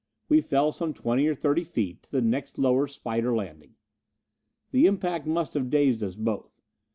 We fell some twenty or thirty feet to the next lower spider landing. The impact must have dazed us both.